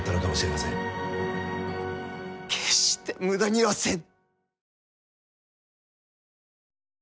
決して無駄にはせぬ！